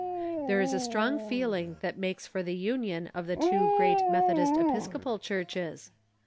Thei'e is a strong feeling that makes for the union of the two great Methodist Episcopal Churches.